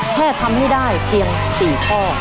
แค่ทำให้ได้เพียง๔ข้อ